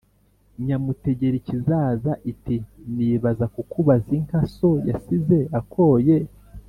Nyamutegerikizaza iti: "Nibaza kukubaza inka so yasize akoye